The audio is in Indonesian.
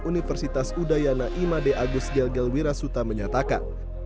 universitas udayana ima d agus gelgel wirasuta menyatakan